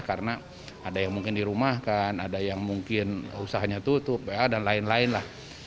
karena ada yang mungkin dirumahkan ada yang mungkin usahanya tutup dan lain lain lah